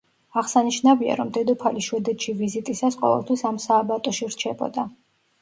აღსანიშნავია, რომ დედოფალი შვედეთში ვიზიტისას ყოველთვის ამ სააბატოში რჩებოდა.